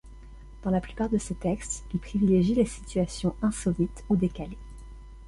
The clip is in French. Dans la plupart de ses textes il privilégie les situations insolites ou décalées.